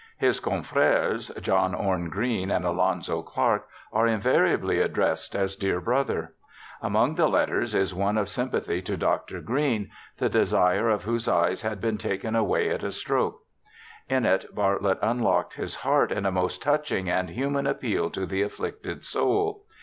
His confreres, John Orne Green and Alonzo Clark, are invariably addressed as 'Dear Brother'. Among the letters is one of sympathy to Dr. Green, the desire of whose eyes had been taken away at a stroke. In it Bartletf unlocked his heart in a most touching and human appeal to the afflicted soul.